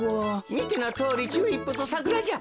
みてのとおりチューリップとサクラじゃ。